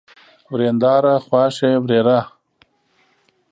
ورېنداره ، خواښې، ورېره